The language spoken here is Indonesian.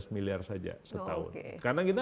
miliar saja setahun karena kita